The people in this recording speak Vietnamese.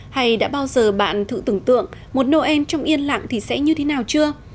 hay đã bao giờ bạn thử tưởng tượng một noel trong yên lặng thì sẽ như thế nào chưa